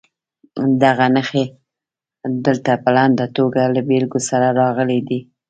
دغه نښې دلته په لنډه توګه له بېلګو سره راغلي دي.